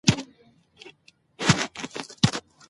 نړۍ د سړې جګړې نه وروسته نوي پړاو ته لاړه.